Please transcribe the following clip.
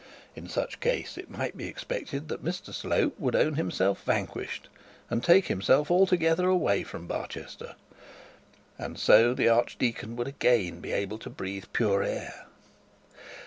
In such case it might be expected that Mr Slope would own himself vanquished, and take himself altogether away from Barchester. And so the archdeacon would again be able to breath the pure air.